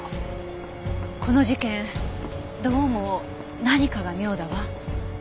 この事件どうも何かが妙だわ。